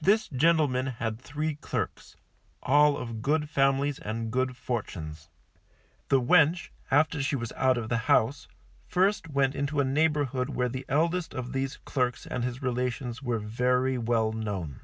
This gentleman had three clerks, all of good families and good fortunes. The wench, after she was out of the house, first went into a neighbourhood where the eldest of these clerks and his relations were very well known.